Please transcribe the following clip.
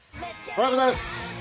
おはようございます。